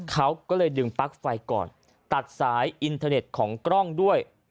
เขาก็เลยดึงปลั๊กไฟก่อนตัดสายอินเทอร์เน็ตของกล้องด้วย